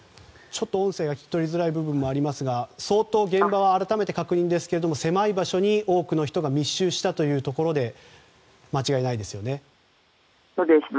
ちょっと音声が聞き取りづらいのもありますが改めて確認ですが相当現場は狭い場所に多くの人が密集したというところでそうです、間違いないです。